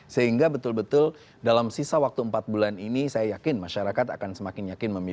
sehingga betul betul dalam sisa waktu empat bulan ini saya yakin masyarakat akan semakin yakin memilih